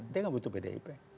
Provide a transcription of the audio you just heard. dia nggak butuh pdip